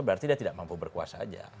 berarti dia tidak mampu berkuasa saja